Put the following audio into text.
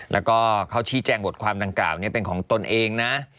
แล้วก็เขาชี้แจงบทความดังกล่าวนี้เป็นของตนเองนะ